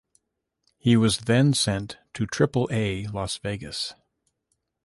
He was then sent to triple-A Las Vegas.